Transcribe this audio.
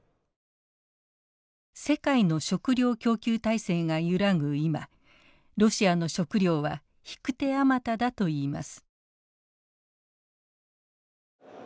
世界の食料供給体制が揺らぐ今ロシアの食料は引く手あまただといいます。